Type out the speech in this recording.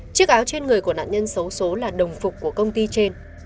chiếc áo trên người của nạn nhân xấu xố là đồng phục của công ty trên